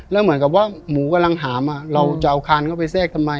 เราจะเอาคันเข้าไปแศกทำไม